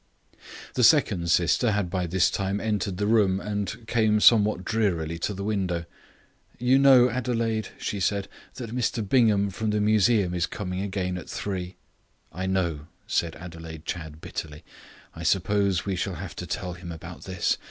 The second sister had by this time entered the room and came somewhat drearily to the window. "You know, Adelaide," she said, "that Mr Bingham from the Museum is coming again at three." "I know," said Adelaide Chadd bitterly. "I suppose we shall have to tell him about this.